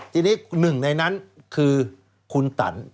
ทีนี้หนึ่งในนั้นคือคุณตัน